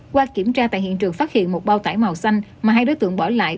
qua kiểm tra tại hiện trường phát hiện một bao tải màu xanh mà hai đối tượng bỏ lại